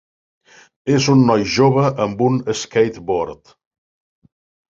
És un noi jove amb un skateboard